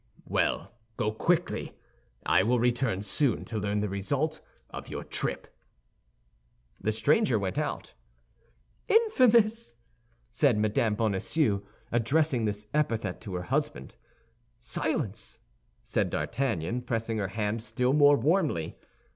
"Well, go quickly! I will return soon to learn the result of your trip." The stranger went out. "Infamous!" said Mme. Bonacieux, addressing this epithet to her husband. "Silence!" said D'Artagnan, pressing her hand still more warmly.